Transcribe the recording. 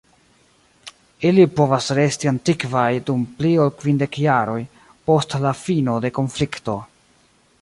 Ili povas resti aktivaj dum pli ol kvindek jaroj post la fino de konflikto.